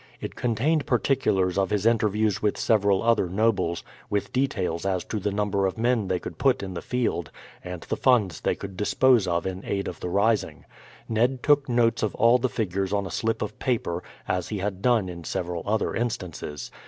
It contained particulars of his interviews with several other nobles, with details as to the number of men they could put in the field, and the funds they could dispose of in aid of the rising. Ned took notes of all the figures on a slip of paper, as he had done in several other instances.